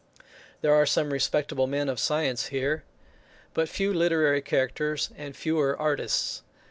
There are some respectable men of science here, but few literary characters, and fewer artists.